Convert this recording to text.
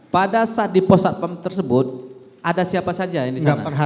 pada saat di posatpam tersebut ada siapa saja yang di sana